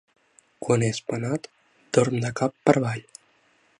Quan és penat, dorm de cap per avall.